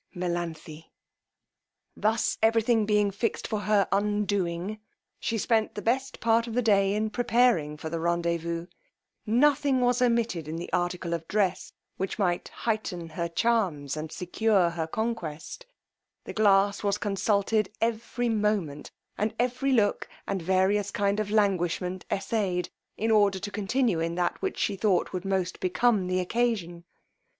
MELANTHE." Thus every thing being fixed for her undoing, she spent the best part of the day in preparing for the rendezvous: nothing was omitted in the article of dress, which might heighten her charms and secure her conquest: the glass was consulted every moment, and every look and various kind of languishment essayed, in order to continue in that which she thought would most become the occasion.